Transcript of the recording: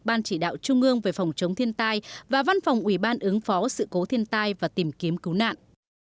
ban chỉ đạo trung ương về phòng chống thiên tai và văn phòng ủy ban ứng phó sự cố thiên tai và tìm kiếm cứu nạn